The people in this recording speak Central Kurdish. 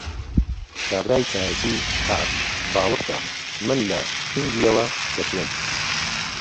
کابرای چاییچی هات، باوەڕ کە من لە کنگیەوە دەچووم!